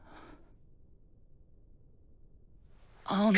青野。